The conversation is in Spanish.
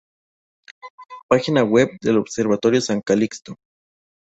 Página web del Observatorio San Calixto